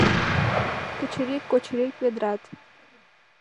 Кычырик-кочырик ведрат